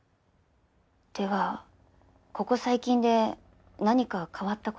ではここ最近で何か変わった事は？